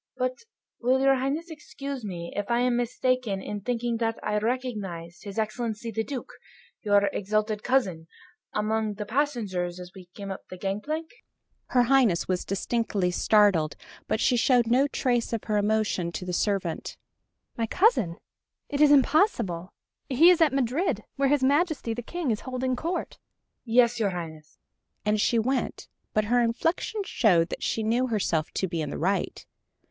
But, will your Highness excuse me if I am mistaken in thinking that I recognized his Excellency the Duke, your exalted cousin, among the passengers as we came up the gangplank...?" Her Highness was distinctly startled, but she showed no trace of her emotion to the servant. "My cousin it is impossible. He is at Madrid, where his Majesty the King is holding Court." "Yes, your Highness," and she went, but her inflection showed that she knew herself to be in the right.